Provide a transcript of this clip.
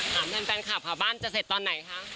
ถามแทนแฟนคลับค่ะบ้านจะเสร็จตอนไหนคะ